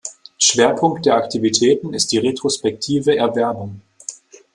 Schwerpunkt der Aktivitäten ist die retrospektive Erwerbung.